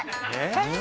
えっ！？